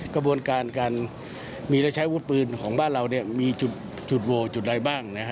กระบวนการการมีและใช้วุฒิปืนของบ้านเรามีจุดโวจุดใดบ้าง